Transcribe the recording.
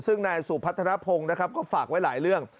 ซึ่งนายสุพัฒนภงนะครับก็ฝากไว้หลายเรื่อง